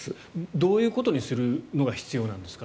どういうことにするのが必要なんですか？